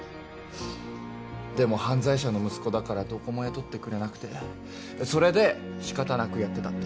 でも犯罪者の息子だからどこも雇ってくれなくてそれでしかたなくやってたって。